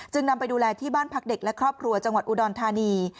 นำไปดูแลที่บ้านพักเด็กและครอบครัวจังหวัดอุดรธานี